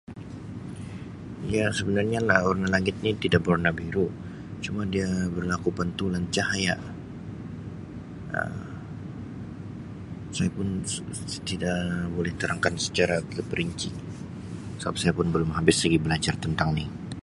Ya sebenarnya warna langit ni tidak bewarna biru cuma dia berlaku pantulan cahaya Um saya pun tida buli terangkan secara terperinci seb saya pun belum habis lagi belajar tentang ni.